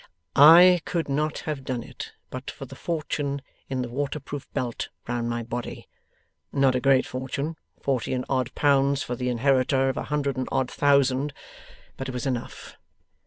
'I could not have done it, but for the fortune in the waterproof belt round my body. Not a great fortune, forty and odd pounds for the inheritor of a hundred and odd thousand! But it was enough.